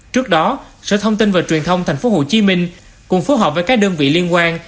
trước đó sở thông tin và truyền thông tp hcm cùng phối hợp với các đơn vị liên quan